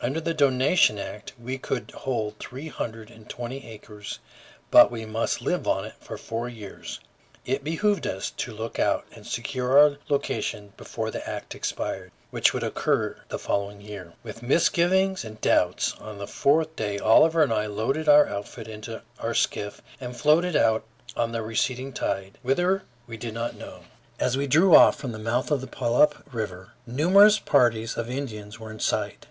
Under the donation act we could hold three hundred and twenty acres, but we must live on it for four years; it behooved us to look out and secure our location before the act expired, which would occur the following year. With misgivings and doubts, on the fourth day Oliver and I loaded our outfit into our skiff and floated out on the receding tide, whither, we did not know. As we drew off from the mouth of the Puyallup River, numerous parties of Indians were in sight.